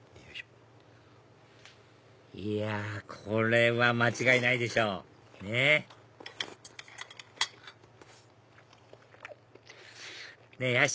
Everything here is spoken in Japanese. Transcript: いやこれは間違いないでしょねぇねぇ